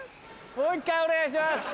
もう一回お願いします。